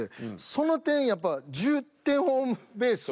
その点やっぱ１０点ホームベースは。